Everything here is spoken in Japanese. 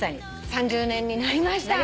３０年になりました。